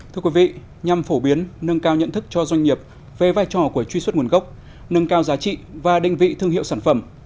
thưa quý vị nhằm phổ biến nâng cao nhận thức cho doanh nghiệp về vai trò của truy xuất nguồn gốc nâng cao giá trị và đinh vị thương hiệu sản phẩm